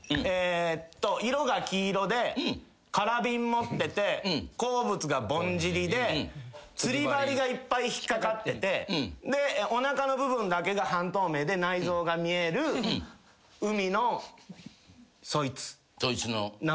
色が黄色で空ビン持ってて好物がぼんじりで釣り針がいっぱい引っかかってておなかの部分だけが半透明で内臓が見える海のそいつ。